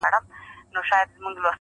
خدایه نور یې د ژوندو له کتار باسه.